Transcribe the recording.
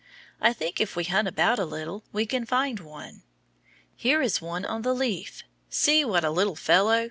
I think if we hunt about a little, we can find one. Here is one on the leaf. See what a little fellow!